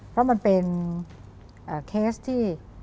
เพราะมันเป็นเคสที่